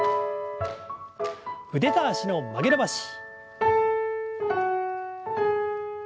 腕と脚の曲げ伸ばし。